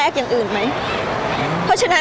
พี่ตอบได้แค่นี้จริงค่ะ